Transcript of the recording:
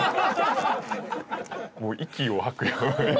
もう息を吐くように。